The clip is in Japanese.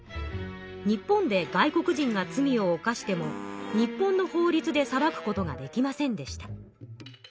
日本で外国人が罪を犯しても日本の法りつで裁くことができませんでした。